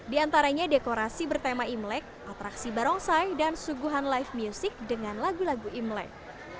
di antaranya dekorasi bertema imlek atraksi barongsai dan suguhan live music dengan lagu lagu imlek